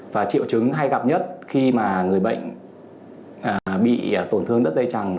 và triệu chứng hay gặp nhất khi người bệnh bị tổn thương đất dây chẳng